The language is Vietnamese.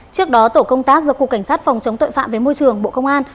trước đó tổ công tác do cục cảnh sát phòng chống tội phạm với môi trường bộ công an